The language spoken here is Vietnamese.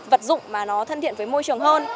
vật dụng mà nó thân thiện với môi trường hơn